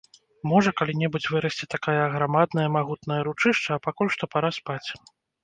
Можа, калі-небудзь вырасце такая аграмадная, магутная ручышча, а пакуль што пара спаць.